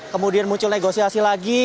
kemudian muncul negosiasi lagi